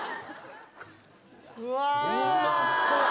うわ！